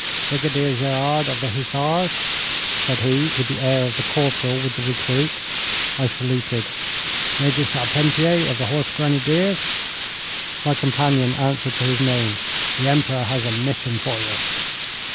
'Brigadier Gerard of the Hussars,' said he, with the air of the corporal with the recruit. I saluted. 'Major Charpentier of the Horse Grenadiers.' My companion answered to his name. 'The Emperor has a mission for you.'